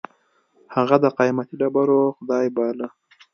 هغه د قېمتي ډبرې خدای باله.